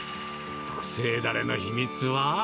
特製だれの秘密は？